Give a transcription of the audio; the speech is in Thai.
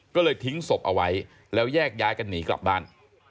ก็เลยทิ้งศพเอาไว้แล้วแยกย้ายกันหนีกลับบ้าน